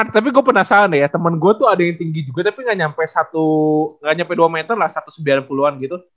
eh nah tapi gua penasaran deh ya temen gua tuh ada yang tinggi juga tapi ga nyampe satu ga nyampe dua meter lah satu ratus sembilan puluh an gitu